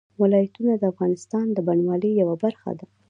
ولایتونه د افغانستان د بڼوالۍ یوه برخه ده.